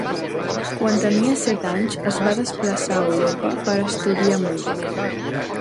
Quan tenia set anys es va desplaçar a Europa per estudiar música.